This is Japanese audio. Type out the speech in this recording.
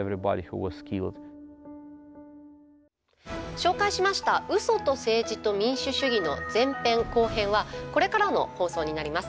紹介しました「嘘と政治と民主主義」の前編後編はこれからの放送になります。